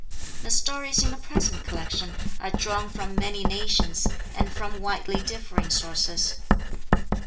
The stories in the present collection are drawn from many nations and from widely differing sources.